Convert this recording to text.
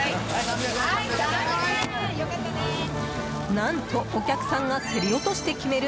何と、お客さんが競り落として決める